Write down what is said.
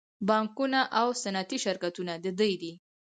بانکونه او صنعتي شرکتونه د دوی دي